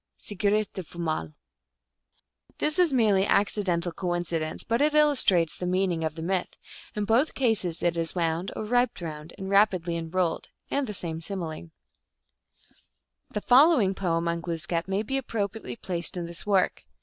(Sigrdrifumal.) This is a merely accidental coincidence, but it illus trates the meaning of the myth. In both cases it is " wound or wrapped around " and rapidly unrolled, and the same simile. GLOOSKAP THE DIVINITY. 137 The following poem on Glooskap may be appropri ately placed in this work.